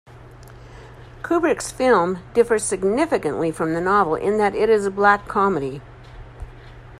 Kubrick's film differs significantly from the novel in that it is a black comedy.